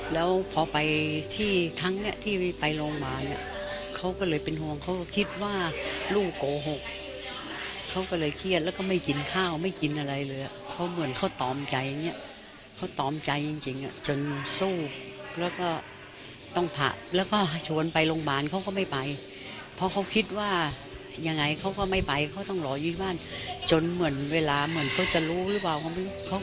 แล้วพอไปที่ครั้งเนี้ยที่ไปโรงพยาบาลเนี่ยเขาก็เลยเป็นห่วงเขาก็คิดว่าลูกโกหกเขาก็เลยเครียดแล้วก็ไม่กินข้าวไม่กินอะไรเลยเขาเหมือนเขาตอมใจอย่างเงี้ยเขาตอมใจจริงอ่ะจนสู้แล้วก็ต้องผ่าแล้วก็ชวนไปโรงพยาบาลเขาก็ไม่ไปเพราะเขาคิดว่ายังไงเขาก็ไม่ไปเขาต้องรออยู่ที่บ้านจนเหมือนเวลาเหมือนเขาจะรู้หรือเปล่าเขาไม่รู้เขา